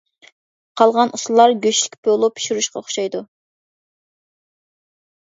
قالغان ئۇسۇللار «گۆشلۈك پولۇ» پىشۇرۇشقا ئوخشايدۇ.